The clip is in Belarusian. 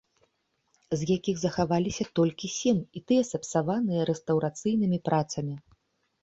З якіх захаваліся толькі сем, і тыя сапсаваныя рэстаўрацыйнымі працамі.